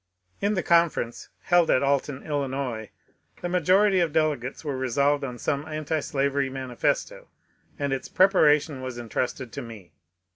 In the conference (held at Alton, HI.) the majority of delegates were resolved on some antislavery manifesto, and its preparation was entrusted to me.